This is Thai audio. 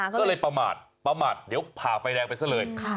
ก็เลยประมาทประมาทเดี๋ยวผ่าไฟแดงไปซะเลย